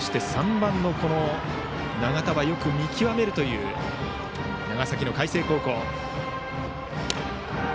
番の永田はよく見極めるという長崎の海星高校。